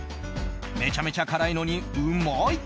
めちゃめちゃ辛いのにうまい！